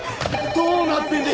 どうなってんだ！？